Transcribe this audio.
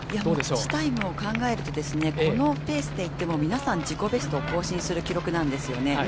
持ちタイムを考えるとこのペースでいっても皆さん、自己ベストを更新する記録なんですよね。